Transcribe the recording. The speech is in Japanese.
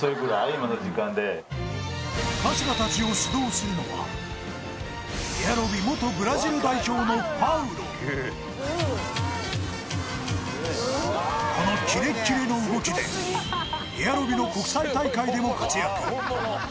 今の時間で春日たちをエアロビ元ブラジル代表のパウロこのキレッキレの動きでエアロビの国際大会でも活躍